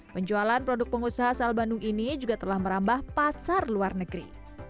penjualan produk pengusaha sel bandung ini juga telah merambah pasar luar negeri